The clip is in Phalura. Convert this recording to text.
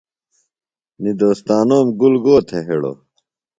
ݨ دوستانوم گُل گو تھےۡ ہِڑوۡ؟